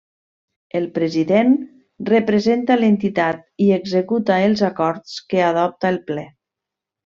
El President representa l'entitat i executa els acords que adopta el ple.